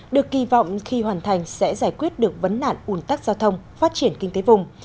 được kỳ vọng khi hoàn thành sẽ giải quyết được vấn nạn ủn tắc giao thông phát triển kinh tế vùng